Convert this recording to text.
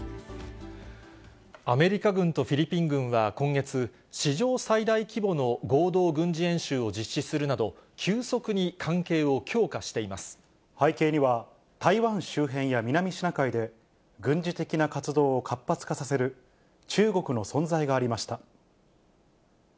アメリカ軍とフィリピン軍は今月、史上最大規模の合同軍事演習を実施するなど、背景には、台湾周辺や南シナ海で、軍事的な活動を活発化させる中国の存在がありました。